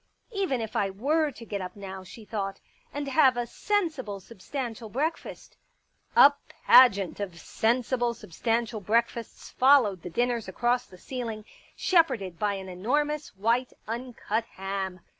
...'* Even if I were to get up now," she thought, " and have a sensible substantial breakfast ..." A pageant of Sensible Substantial Breakfasts followed the dinners across the ceiling, shepherded by an enormous, white, uncut ham.